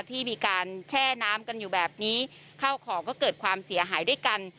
ที่มีการแช่น้ำกันอยู่แบบนี้ข้าวของก็เกิดความเสียหายด้วยกัน